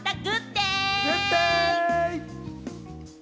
グッデイ！